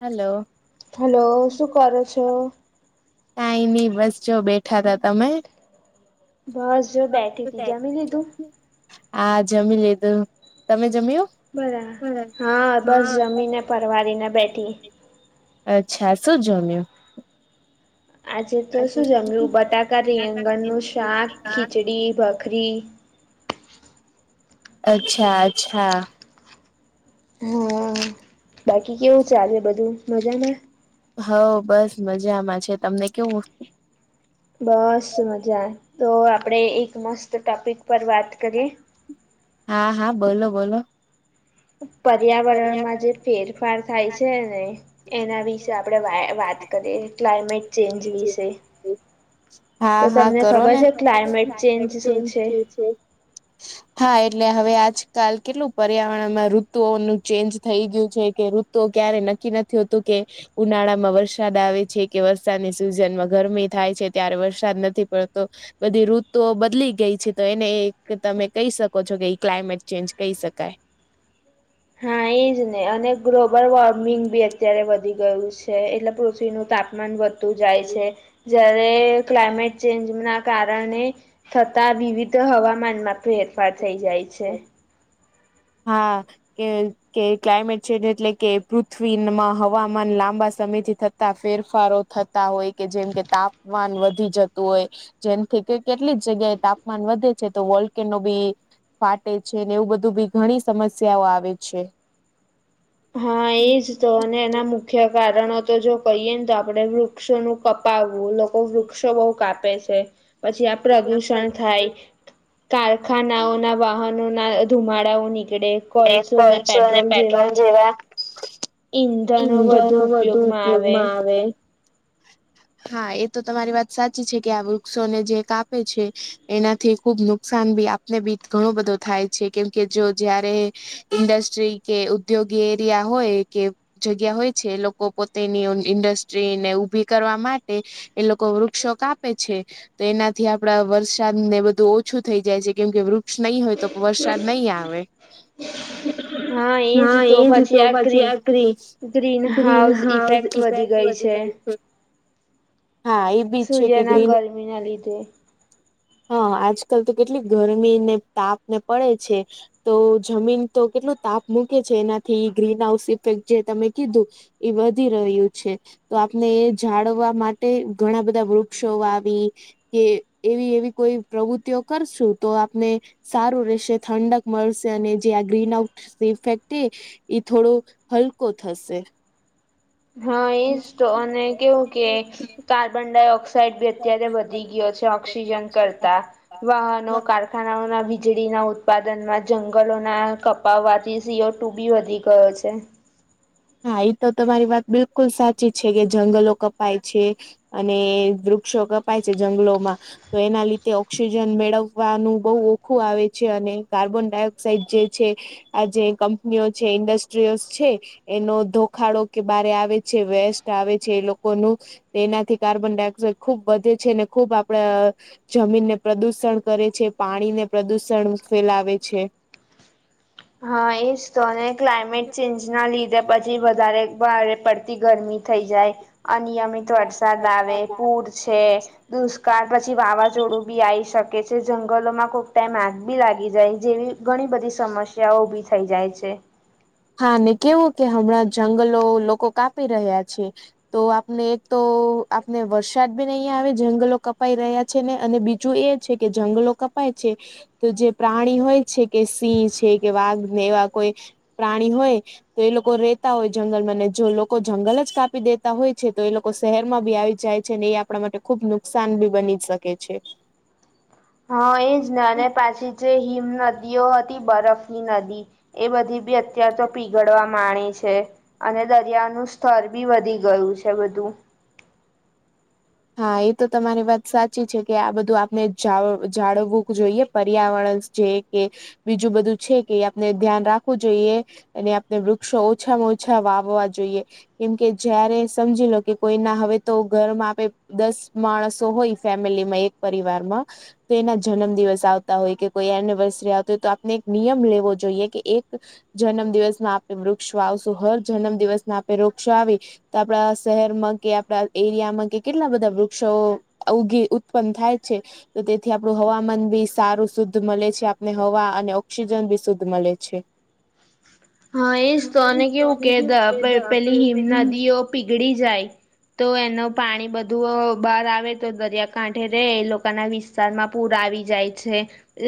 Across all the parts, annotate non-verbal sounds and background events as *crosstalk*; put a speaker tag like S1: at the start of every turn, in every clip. S1: Hello
S2: hello, શું કરો છો?
S1: કાંઈ નહી બસ જો બેઠા તા. તમે?
S2: બસ જો બેઠી તી. જમી લીધું?
S1: હા જમી લીધું. તમે જમ્યું?
S2: બરા હા બસ જમીને પરવાડીને બેઠી.
S1: અચ્છા. શું જમ્યું?
S2: આજે તો શું જમ્યું બટાકા રિંગણનું શાક, ખીચડી, ભાખરી.
S1: અચ્છા અચ્છા.
S2: હા બાકી કેવું ચાલે બધું મજામાં?
S1: હોવ બસ મજામાં છે. તમને કેવું?
S2: બસ મજા. તો આપડે એક મસ્ત ટોપિક પર વાત કરીએ?
S1: હા હા બોલો બોલો.
S2: પર્યાવરણમાં જે ફેરફાર થાય છે ને એના વિશે આપણેે વા વાત કરીએ. ક્લાઇમેટ ચેન્જ વિશે.
S1: હા
S2: તો
S1: હા
S2: તમને
S1: કરો
S2: ખબર
S1: ને. તમને ખબર છે
S2: ક્લાઇમેટ
S1: ક્લાયમેટ
S2: શું
S1: ચેન્જ જે છે હા એટલે હવે આજકાલ કેટલું પર્યાવરણમાં ઋતુઓનું ચેન્જ થઈ ગયું છે કે ઋત તો ક્યારે નક્કી નથી હોતું કે ઉનાળામાં વરસાદ આવે છે કે સાદની સિઝન માં ગરમી થાય છે, ત્યારે વરસાદ નથી પડતો. બધી ઋતુઓ બદલી ગઈ છે, તો એક તમે કહી છો કે એ ક્લાઇમેટ ચેન્જ કહી શકાય.
S2: હા એજ ને અને ગ્લોબલ વોર્મિંગ બી અત્યારે વધી ગયું છે, એટલે પૃથ્વી નું તાપમાન વધ તુ જાય છે, જ્યારે ક્લાઇમેટ ચેન્જ ના કારણે થતા વિવિધ હવામાનમાંથી ફેરફાર થઇ જાય છે.
S1: હા કે કે ક્લાયમેટ ચેન્જ એટલે કે, પૃથ્વીમાં હવામાન લાંબા સમયથી થત થતા ફેરફારો થતા હોય, કે જેમ કે તાપમાન વધી જતું હોય જેમકે કે કેટલી જગ્યાએ તાપમાન વધે છે તો વોલ્કેનો બી ફાટે છે, ને એવું બધું બી ઘણી સમસ્યાઓ આવે છે.
S2: હા એજ તો, અને એના મુ ખ્ય કારણો તો જો કહીએ ને તો આપડે વૃક્ષોનું કપાવવું, લોકો વૃક્ષો બહુ કાપે છે. પછી આ પ્રદુષણ થાય, કારખાનાઓ ના, વાહનો ના, ધુમાડાઓ નીકળે. કોલસો અને પેટ્રોલ જેવા ઈંધનો વધુ ઉપયોગમાં આવે.
S1: હા, એ તો તમારી વાત સાચી છે, કે આ વૃક્ષોને જે કાપે છે, એનાથી ખૂબ નુકસાન ભી આપ જે બીત ઘણો બધો થાય છે, કેમ કે જો જયારે ઇન્ડસ્ટ્રી કે ઉદ્યોગી એરિયા હોય કે જગ્યા હોય છે, એ લોકો પોતેની ઓ ઇન્ડસ્ટ્રીને ઊભી કરવા માટે એ લોકો વૃક્ષો કાપે છે. તો એનાથી આપડા વરસાદ ને બધું ઓછું થઈ જાય છે, કેમકે વૃક્ષ નહી હોય તો વરસાદ નહીં આવે.
S2: હા એજ તો, પછી આ ગ્રી ગ્રીન હાઉસ ઇફેક્ટ ટ વધી ગઈ છે,
S1: હા એ બી છે કે
S2: સૂર્યના
S1: ગ્રીન
S2: ગરમી ના લીધે.
S1: હા, આજકાલ તો કેટલી ગરમી ને તાપ ને પડે છે, તો જમીન તો કેટલું તાપ મૂકે છે, એનાથી ગ્રીન હાઉસ ઇફેક્ટ જે તમે કીધું એ વધી રહ્યું છે. તો આપને એ જાળવવા માટે ઘણા બધા વૃક્ષો વાવી એ, એવી એવી કોઈ પ્રવૃત્તિઓ કરશું, તો આપને સારું રહેશે, ઠંડક મળશ અને જે આ ગ્રીન આઉટ ઇફેક્ટે, એ થોડો હલકો થશે.
S2: હા એજ તો, અને કેવું કે, કાર્બન ડાયોક્સ સાડ બી અત્યારે વધી ગયો છે, ઓક્સિજન કરતા, વાહનો કાર ખાનાના વીજળીના ઉત્પાદનમાં, જંગલોના કપાવવાથી સી ઓ ટુ બી વધી ગયો છે.
S1: હા એ તો તમારી વાત બિલકુલ સાચી છે, કે જંગલો કપાય છે. અને વૃક્ષો કપાય છે, જંગલોમાં તો એના લીધે ઓક્સિજન મેળવવાનું બહુ ઓખું આવે છે, અને કાર્બન ડાયોક્સાઇડ જે છે આ જે કંપનીઓ છે, ઇન્ડસ્ટ્રીઓ છે. એનો ધોખાડો કે મારે આવે છે, વેસ્ટ આવે છે એ લોકોનું એનાથી કાર્બન ડાયોક્સાઇડ ખુબ વધે છે, ને ખુબ આપડ જમીનને પ્રદુષણ કરે છે, પાણીને પ્રદુષણ ફેલાવે છે.
S2: હા એજ તો, ને ક્લાઇમેટ ચેન્જ ના લીધે પછી વધારે ભારે પડતી ગરમી થઈ જાય, અનિયમિત વરસાદ આવે, પૂર છે. દુષ્કાળ પછી વાવાઝોડું બી આઈ શકે છે, જંગલોમાં કોક ટાઈમ આગબી લાગી જાય, જેવી ઘણી બધી સમસ્યાઓ ઉભી થઈ જાય છે.
S1: હા ને કેવું કે હમણાં જંગલો લોકો કાપી રહ્યા છે તો આપને એક તો આપને વરસાદ બી નહીં આવે જંગલો કપાઈ રહ્યા છે ને અને બીજું એ છે કે જંગલો કપાય છે તો જે પ્રાણી હોય છે કે સિંહ છે કે વાઘને એવા કોઈ પ્રાણી હોય તો એ લોકો રેતા હોય જંગલમાં ને જો લોકો જંગલ જ કાપી દેતા હોય છે તો એ લોક કો શહેરમાં ભી આવી જાય છે ને એ આપણા માટે ખુબ નુકસાન ભી બની શકે છે.
S2: હા એજ ને અને પાછી જે હિમ નદીઓ હતી બરફની નદી એ બધી બી અત્યાર તો પીગડવા માણી છે અને દરિયાનું સ્તર બી વધી ગયું છે બધું
S1: હા એ તો તમારી વાત સાચી છે કે આ બધું આપને જાળ જાળવવું જોઈએ પર્યાવરણ છે કે બીજું બધું છે કે આપને ધ્યાન રાખવું જોઈએ. એની આપણે વૃક્ષો ઓછામાં ઓછા વાવવા જોઈએ કેમકે જયારે સમજી લો કે કોઈના હવે તો ઘરમાં આપે દસ માણસો હોય ફેમિલીમાં એક પરિવારમાં તો એના જન્મ દિવસ આવતા હોય કે કોઈ એનિવર્સરી આવતી હોય તો આપને એક નિયમ લેવો જોઈએ કે એક જન્મ દિવસમાં આપડે વૃક્ષો આવશું હર જન્મ દિવસમાં આપે વૃક્ષો આવી તો આપડા શહેરમાં કે આપડા એરિયામાં કે કેટલા બધા વૃક્ષો ઉગી ઉત્પન્ન થાય છે તો તેથી આપણું હવામાન બી સારું શુદ્ધ મળે છે આપને હવા અને ઓક્સિજન બી શુદ્ધ મળે છે.
S2: હા એ જ તો
S1: હા એ
S2: અને કેઉં કેું દ
S1: કેવું
S2: આપડે પહેલી
S1: કે પેલી
S2: હિમનાદીઓ પીગડી જાય તો એનું પાણી બધું બહાર આવે તો દરિયાકાઠે રે એ લોકોના વી સ્થારમાં પૂર આવી જાય છે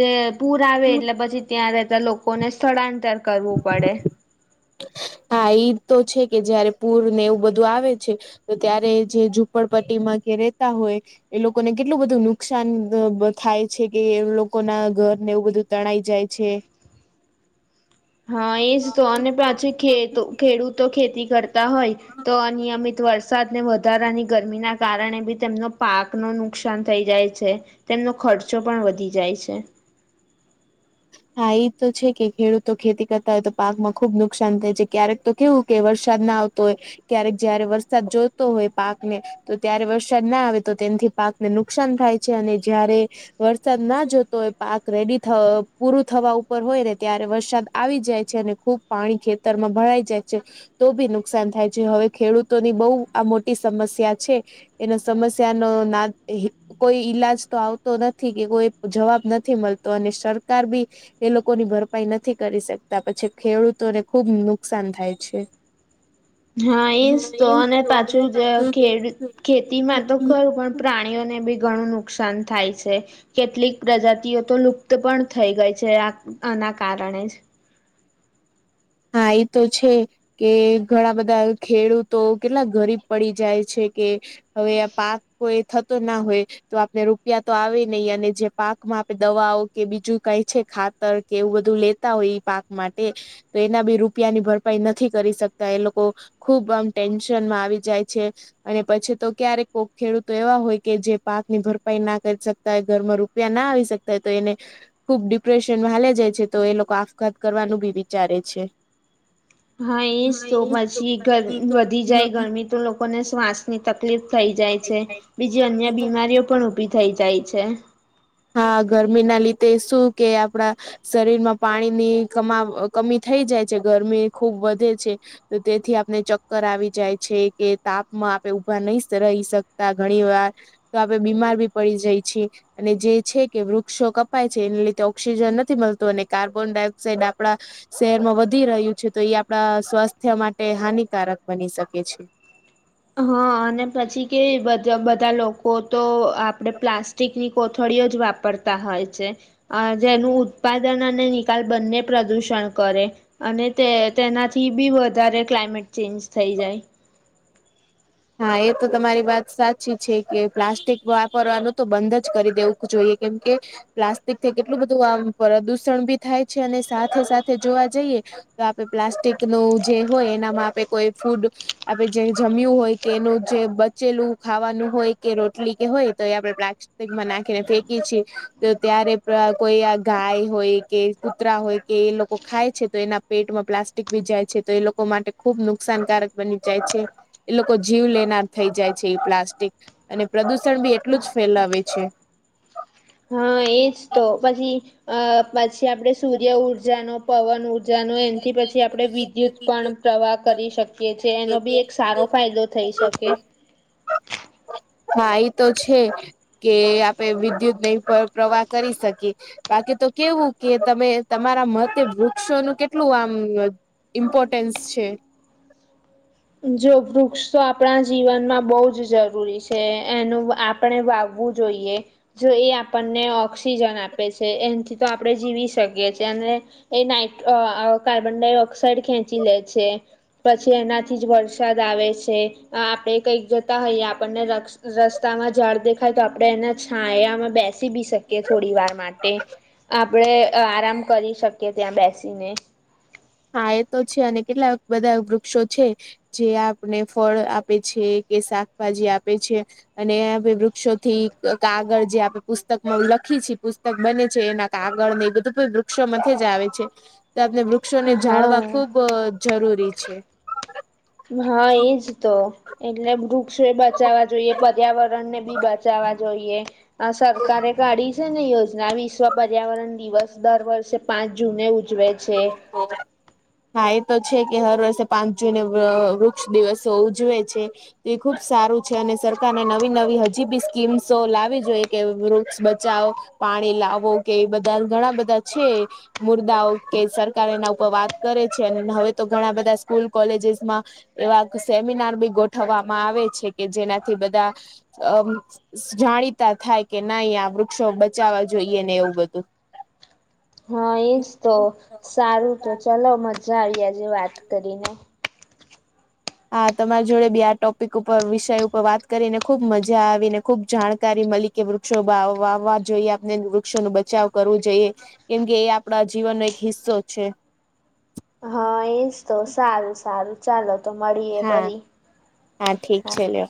S2: એ પૂર આવે એટલે પછી ત્યાં રહેતા લોકોને સ્થળાંતર કરવું પડે.
S1: હા ઈ તો છે કે જયારે પૂર ને એઉ બધું આવે છે તો ત્યારે એ જે ઝૂપડપટ્ટી માં કે રેતા હોય એ લોકોને કેટલું બધું નુકસાન દ બ થાય છે કે લોકો ના ઘરને એવું બધું તણાય જાય છે.
S2: હા એજ તો
S1: એ
S2: અને પાછી
S1: સાચી
S2: ખેતો
S1: છે.
S2: ખેડૂતો ખેતી કર તા હોય તો અનિયમિત વરસાદ ને વધારાની ગરમી ના કારણે બી તેમનો પાક નું નુક સાન થઈ જાય છે તેમનો ખર્ચો પણ વધી જાય છે.
S1: હા ઈ તો છે કે ખેડૂતો ખેતી કરતા હોય તો પાકમાં ખુબ નુકસાન થાય છે ક્યારેક તો કેવું કે વરસાદ ના આવતો હોય ક્યારેક જયારે વરસાદ જોતો હોય પાકને તો ત્યારે વરસાદ ના આવે તો તેનાથી પાકને નુકસાન થાય છે અને જયારે વરસાદ ના જોતો હોય પાક રેડી થ પૂરું થવા ઉપર હોય ને ત્યારે વરસાદ આવી જાય છે અને ખુબ પાણી ખેતરમાં ભરાઈ જાય છે. તો બી નુકસાન થાય છે હવે ખેડૂતોની બહુ આ મોટી સમસ્યા છે. એનો સમસ્યા ન નાદ હે કોઈ ઈલાજ તો આવતો નથી કે કોઈ જવાબ નથી મળતો અને સરકાર બી એ લોકો ની ભરપાઈ નથી કરી શકતા પછી ખેડૂતોને ખુબ નુકસાન થાય છે.
S2: હા ઈજ તો અને પાછું જ ખેડ ખેતીમાં તો ખરું પણ પ્રાણીઓને બી ઘણું નુકસાન થાય છે. કેટલીક પ્રજાતિઓ તો લુપ્ત પણ થઈ ગઈ છે આ આના કારણે જ.
S1: હા એ તો છે. કે ઘણા બધા ખેડૂતો કેટલા ગરીબ પડી જાય છે કે હવે આ પાક કોઈ થતો જ ના હોય તો આપણે રૂપિયા તો આવે નહી. અને જે પાકમાં આપે દવાઓ કે બીજું કઈ છે ખાતર કે એવું બધું લે લેતા હોય પાક માટે તો એના બી રૂપિયાની ભરપાઈ નથી કરી શકતા. એ લોકો ખુબ આમ ટેન્શનમાં આવી જાય છે. અને પછી તો ક્યારેક કોક ખેડૂતો એવા હોય કે જે પાક ની ભરપાઈ ના કરી શક તા ઘરમાં રૂપિયા ના આવી શકતા તો એને ખુબ ડિપ્રેશનમાં હાલિયા જાય છે. તો એ લોકો આપઘાત કરવાનું બી વિચારે છે.
S2: હા એ જ પછી વધી જાય ગરમી તો લોકોને શ્વાસ ની તકલીફ થઈ જાય છે. બીજી અન્ય
S1: છે.
S2: બીમારીઓ પણ ઉભી થઈ જાય છે.
S1: હા. ગરમી ના લીધે શું કે આપણા શરીર માં પાણીની કમી થઈ જાય છે. ગરમી ખુબ વધે છે. તેથી આપને ચક્કર આવી જાય છે. કે તાપમાં આપે ઊભા નહી રહી શકતા ઘણી વાર તો આપણે બીમારી બી પડી જઈએ છીએ છે અને જે છે કે વૃક્ષો કપાય છે. એને લીધે ઓક્સિજન નથી મળતું અને કાર્બન ડાયોક્સાઇડ આપડા શહેરમાં વધી રહ્યું છે. તો એ આપણા સ્વાસ્થ્ય માટે હાનિકારક બની શકે છે.
S2: હઅને પછી કે બધા લોકો તો આપડે પ્લાસ્ટ -ટીકની કોથળીઓ જ વાપરતા હોય છે. અ જેનું ઉત્પાદન અને નિકાલ બંને પ્રદૂષણ કરે. અને તે તેનાથી બી વધારે ક્લાયમેટ ચેન્જ થઈ જાય.
S1: હા એ તો તમારી વાત સાચી છે કે પ્લાસ્ટિક વાપરવાનું તો બંધ જ કરી દેવું જોઈએ કેમ કે પ્લાસ્ટિકથી કેટલું બધું આમ પ્રદુષણ બી થાય છે અને સાથે સાથે જોવા જઈએ. તો આપે પ્લાસ્ટિક નું જે હોય એનામાં આપે કોઈ ફૂડ આપે જે જમ્યું હોય કેનું જે બચેલું ખાવાનું હોય કે રોટલી કે હોય તો એ આપડે પ્લાસ્ટીકમાં નાખીને ફેંકીએ છીએ તો ત્યારે કોઈ આ ગાય હોય કે કૂતરા હોય કે એ લોકો ખાય છે તો એના પેટમાં પ્લાસ્ટિક બી જાય છે તો એ લોકો માટે ખુબ નુકસાનકારક બની જાય છે. એ જીવ લેનાર થઈ જાય છે એ પ્લાસ્ટિક અને પ્રદુષણ બી એટલું જ ફેલાવે છે.
S2: હા એજ તો પછી અ પછી આપડે સૂર્ય-ઊર્જાનો, પવન- ઉર્જાનો, જનો એનથી પછી આપણે વિદ્યુત પણ પ્રવાહ કરી શકીએ છીએ એનો બી એક સારો ફાયદો થઈ શકે.
S1: હા ઇ તો છે કે આપે વિદ્યુત નહી પ્રવાહ કરી શકીએ. બાકી તો કેવું કે તમે તમારા મતે વૃક્ષોનું કેટલું કેટલું આમ ઇમ્પોર્ટન્સ છે?
S2: જો વૃક્ષ તો આપણા જીવનમાં બહ જ જરૂરી છે એનું *unintelligible* આપણે વાવવું જોઈએ. જો એ આપણને ઓક્સિજન આપે છે એનથી તો આપણે જીવી શકીએ છે અને એ નાઈટ અ કાર્બન-ડાયોક્સાઈડ ખેંચી લે છે પછી એના થી જ વરસાદ આવે છે. આપણેે કઈક જતા હોઈએ આપણને *unintelligible* રસ્તામાં ઝાડ દેખાય તો આપડે એના છાંયામાં બેસી બી શકીએ થોડી વાર માટે આપણેે આરામ કરી શકીએ ત્યાં બેસીને
S1: હા એ તો છે અને કેટલાક બધા વૃક્ષો છે. જે આપને ફળ આપે છે કે શાકભાજી આપે છે. અને આપે વૃક્ષોથી કાગળ જે આપણે પુસ્તકમાં લખી છી *unintelligible* પુસ્તક બને છે એના આગળ ને એ બધું પણ વૃક્ષોમાંથી જ આવે છે તો આપને *unintelligible* વૃક્ષોને જાળવા
S2: હા.
S1: ખુબ જરૂરી છે.
S2: હા એ જ તો એટલે વૃક્ષોએ બચાવવા જોઈએ પર્યાવરણ ને બી *unintelligible* અમદાવાદ હોઈએ આ સરકારે ગાડી યોજના વિશ્વ પર્યાવરણ દિવસ દર વર્ષે પાંચ જૂને ઉજવે છે
S1: *unintelligible* હા એ તો છે કે હર વર્ષે પાંચ જૂને વ વૃક્ષ દિવસો ઉજવે છે. એ ખુબ સારું છે અને સરકારને નવી નવી હજી બી સ્કીમ્સો લાવવી જોઈએ કે વૃક્ષ બચાઓ પાણી લાવો કે બધા ઘણા બધા છે મુર્દાઓ કે સરકાર એના ઉપર વાત કરે છે અને હવે તો ઘણા બધા સ્કૂલ કોલેજેસમાં એવા સેમિનાર બી ગોઠવવામાં આવે છે કે જેનાથી બધા અ જાણીતા થાય કે નઈ આ વૃક્ષો બચાવવા જોઈએ ને એવું બધું
S2: હા એ જ તો સારું તો ચલો મજા આવી આજે વાત કરીને
S1: હા તમારી જોડે બી આ ટોપિક ઉપર વિષય ઉપર વાત કરીને ખુબ મજા આવીને ખુબ જાણકારી મલી. કે વૃક્ષો વાવવા જોઈએ આપને વૃક્ષોનું બચાવ કરવું જોઈએ. કેમ કે એ આપણા જીવનનો એક હિસ્સો છે.
S2: હા એજ તો સારું સારું. ચાલો તો મળીએ
S1: હા
S2: ફરી
S1: ઠીક
S2: હા.
S1: છે લ્યો